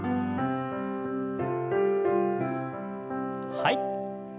はい。